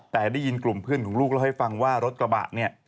แต่ได้ยินกลุ่มเพื่อนของลูกเล่าให้ฟังว่ารถกระบะเนี่ย